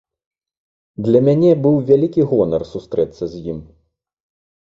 Для мяне быў вялікі гонар сустрэцца з ім.